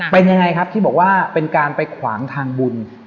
เป็นยังไงครับที่บอกว่าเป็นการไปขวางทางบุญ